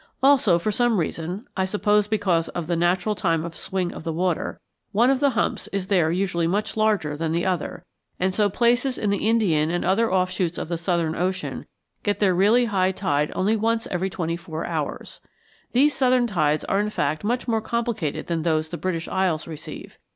Also for some reason, I suppose because of the natural time of swing of the water, one of the humps is there usually much larger than the other; and so places in the Indian and other offshoots of the Southern Ocean get their really high tide only once every twenty four hours. These southern tides are in fact much more complicated than those the British Isles receive.